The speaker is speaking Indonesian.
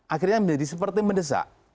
akhirnya menjadi seperti mendesak